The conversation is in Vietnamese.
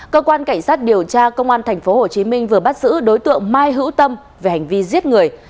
cơ quan cảnh sát điều tra công an tp hcm vừa bắt giữ đối tượng mai hữu tâm về hành vi giết người